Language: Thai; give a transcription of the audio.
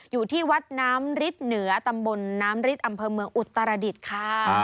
อยู่ที่วัดน้ำฤทธิเหนือตำบลน้ำฤทธิ์อำเภอเมืองอุตรดิษฐ์ค่ะ